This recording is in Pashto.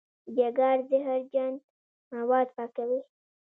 جګر زهرجن مواد پاکوي.